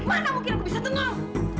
bagaimana mungkin aku bisa jadi pendonor